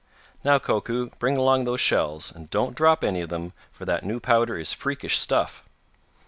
Now, Koku, bring along those shells, and don't drop any of them, for that new powder is freakish stuff."